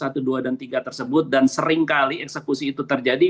satu dua dan tiga tersebut dan seringkali eksekusi itu terjadi